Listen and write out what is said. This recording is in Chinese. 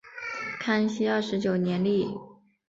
康熙二十九年立。